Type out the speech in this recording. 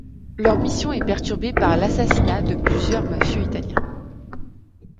Leur mission est perturbé par l'assassinat de plusieurs mafieux italiens.